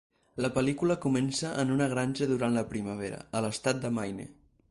La pel·lícula comença en una granja durant la primavera, a l'estat de Maine.